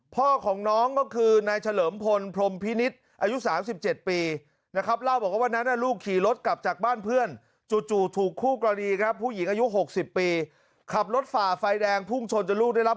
พ่อของน้องก็คือนายเฉลิมพลพรมพินิษฐ์อายุสามสิบเจ็ดปี